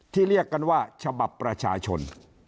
เรียกกันว่าฉบับประชาชน